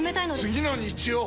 次の日曜！